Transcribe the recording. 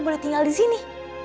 boleh tinggal disini